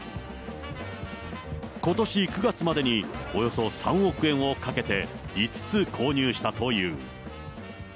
ことし９月までにおよそ３億円をかけて５つ購入したという。